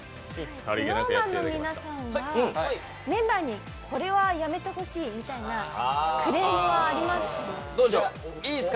ＳｎｏｗＭａｎの皆さんはメンバーにこれはやめてほしいみたいなクレームはあります？